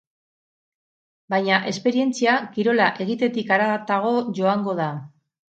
Baina esperientzia, kirola egitetik haratago joango da.